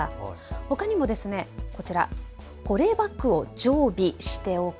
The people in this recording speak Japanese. ほかにも保冷バッグを常備しておく。